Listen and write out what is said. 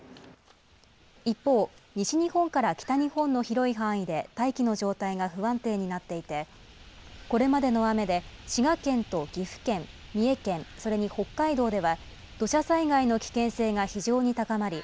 一方、西日本から北日本の広い範囲で大気の状態が不安定になっていて、これまでの雨で滋賀県と岐阜県、三重県、それに北海道では、土砂災害の危険性が非常に高まり、